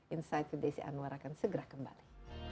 insight with desi anwar akan segera kembali